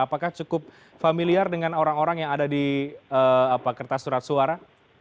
apakah cukup familiar dengan orang orang yang ada di kertas surat suara